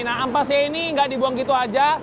nah ampasnya ini tidak dibuang begitu saja